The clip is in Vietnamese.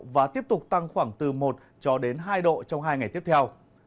và tiếp tục tăng khoảng từ một hai độ trong hai ngày tiếp theo